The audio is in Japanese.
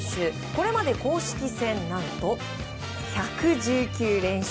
これまで公式戦何と１１９連勝。